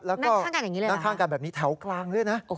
นั่งข้างกันแบบนี้แถวกลางเลยนะ